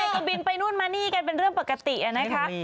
ก็บินไปนู่นมานี่กันเป็นเรื่องปกตินะคะ